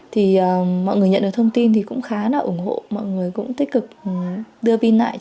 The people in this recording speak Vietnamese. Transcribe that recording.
thì mọi người nhận được thông tin thì cũng khá là ủng hộ mọi người cũng tích cực đưa pin lại